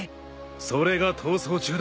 それが逃走中だ。